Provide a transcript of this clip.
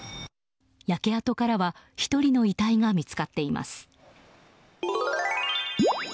焼け跡からは１人の遺体が見つかっています。